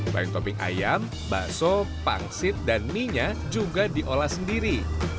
banyak topping ayam bakso pangsit dan mienya juga diolah sendiri